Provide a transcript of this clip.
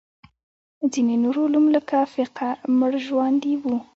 ځینې نور علوم لکه فقه مړژواندي وو.